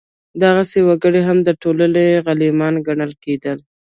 دغسې وګړي هم د ټولنې غلیمان ګڼل کېدل.